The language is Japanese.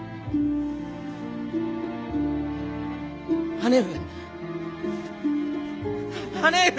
姉上！